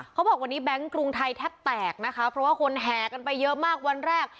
เขาบอกวันนี้แบงค์กรุงไทยแทบแตกนะคะเพราะว่าคนแห่กันไปเยอะมากวันแรก